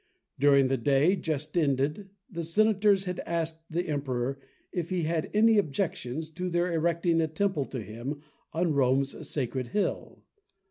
During the day just ended the Senators had asked the Emperor if he had any objections to their erecting a temple to him on Rome's sacred hill.